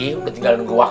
shhh jangan berisik